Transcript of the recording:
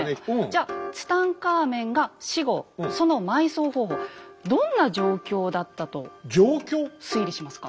じゃツタンカーメンが死後その埋葬方法どんな状況だったと推理しますか？